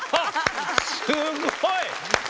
すごい！